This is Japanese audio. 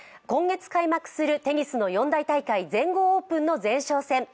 今月開幕するテニスの４大大会、全豪オープンの前哨戦。